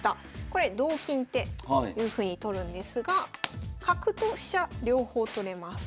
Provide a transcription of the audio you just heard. これ同金っていうふうに取るんですが角と飛車両方取れます。